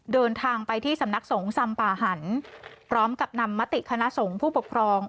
เดินทางไปที่สำนักสงฆ์สำป่าหันพร้อมกับนำมติคณะสงฆ์ผู้ปกครอง